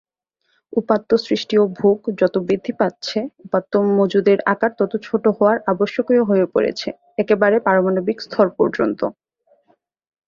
উপাত্ত সৃষ্টি ও ভোগ যত বৃদ্ধি পাচ্ছে, উপাত্ত মজুদের আকার তত ছোট হওয়া আবশ্যকীয় হয়ে পড়েছে, একেবারে পারমাণবিক স্তর পর্যন্ত।